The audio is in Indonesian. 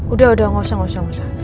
udah udah gak usah gak usah gak usah